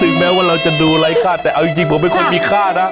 สิ่งแม้ว่าเราจะดูไร้ค่าแต่เอาจริงจริงผมไม่ค่อยมีค่านะ